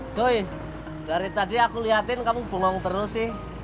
cuy dari tadi aku liatin kamu bongong terus sih